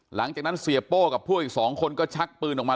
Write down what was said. หลังจากนั้นเสียโป้กับพวกอีกสองคนก็ชักปืนออกมา